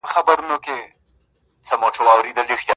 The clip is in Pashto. o دغه اوږده شپه تر سهاره څنگه تېره كړمه .